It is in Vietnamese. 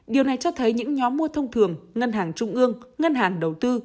điều này cho thấy những nhóm mua thông thường ngân hàng trung ương ngân hàng đầu tư